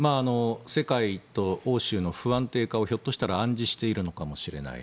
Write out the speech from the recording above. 世界と欧州の不安定化をひょっとしたら暗示しているのかもしれない。